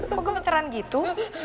kok gue menteran gitu